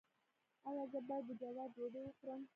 ایا زه باید د جوارو ډوډۍ وخورم؟